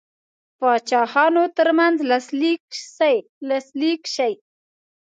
پاچاهانو ترمنځ لاسلیک سي.